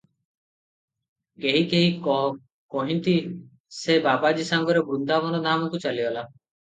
କେହି କେହି କହିନ୍ତି, ସେ ବାବାଜୀ ସାଙ୍ଗରେ ବୃନ୍ଦାବନ ଧାମକୁ ଚାଲିଗଲା ।